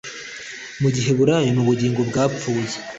mu giheburayo ni ubugingo bwapfuye